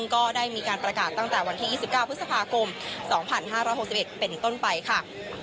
ก็ได้มีการประกาศตั้งแต่วันที่๒๙พฤษภาคม๒๕๖๑เป็นต้นไปค่ะ